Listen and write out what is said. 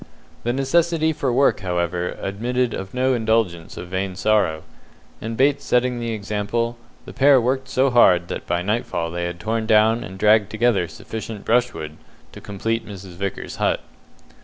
The necessity for work, however, admitted of no indulgence of vain sorrow, and Bates setting the example, the pair worked so hard that by nightfall they had torn down and dragged together sufficient brushwood to complete Mrs. Vickers's hut.